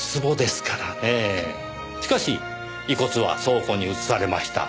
しかし遺骨は倉庫に移されました。